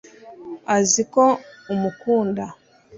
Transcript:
azi ko umukunda